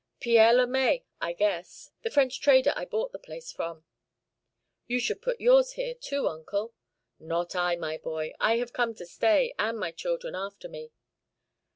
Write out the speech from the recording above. "Pierre Le Mai, I guess the French trader I bought the place from." "You should put yours here, too, Uncle." "Not I, my boy. I have come to stay and my children after me."